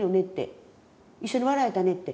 一緒に笑えたねって。